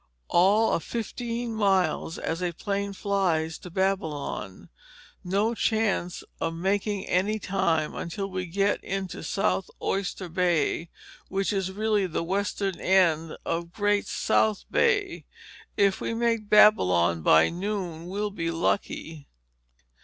"All of fifteen miles as a plane flies to Babylon. No chance of making any time until we get into South Oyster Bay which is really the western end of Great South Bay. If we make Babylon by noon, we'll be lucky."